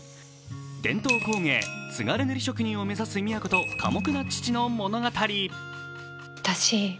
伝統工芸・津軽塗職人を目指す美也子と寡黙な父の物語。